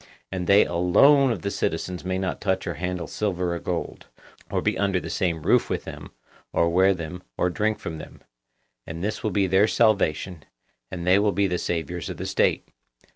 And they alone of all the citizens may not touch or handle silver or gold, or be under the same roof with them, or wear them, or drink from them. And this will be their salvation, and they will be the saviours of the State.